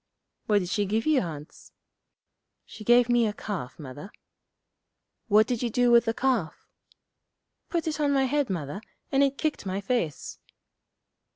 'What did she give you, Hans?' 'She gave me a calf, Mother.' 'What did you do with the calf?' 'Put it on my head, Mother, and it kicked my face.'